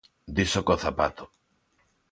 Dixo co zapato.